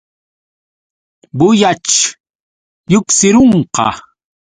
Bullaćh lluqsirunqa.